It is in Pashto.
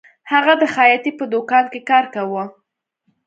هغه د خیاطۍ په دکان کې کار کاوه